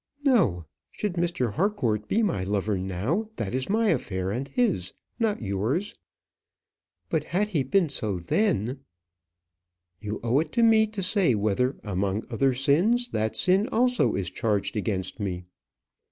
"No; should Mr. Harcourt be my lover now, that is my affair and his, not yours. But had he been so then You owe it to me to say whether among other sins, that sin also is charged against me?"